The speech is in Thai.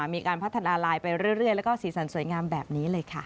มีการพัฒนาลายไปเรื่อยแล้วก็สีสันสวยงามแบบนี้เลยค่ะ